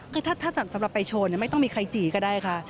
คือถ้าสำหรับไปโชว์ไม่ต้องมีใครจีก็ได้ค่ะ